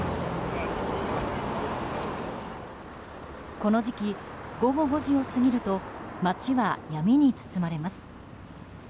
この時期、午後５時を過ぎると街は闇に包まれます。